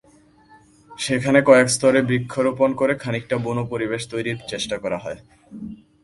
সেখানে কয়েক স্তরে বৃক্ষরোপণ করে খানিকটা বুনো পরিবেশ তৈরির চেষ্টা করা হয়।